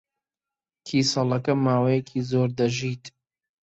کیسەڵەکە ماوەیەکی زۆر دەژیت.